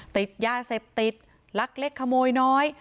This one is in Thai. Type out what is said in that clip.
ติดยาเสพติดลักเล็กขโมยน้อย